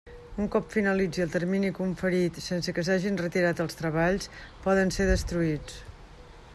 Un cop finalitzi el termini conferit sense que s'hagin retirat els treballs, poden ser destruïts.